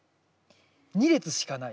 ２列しかない。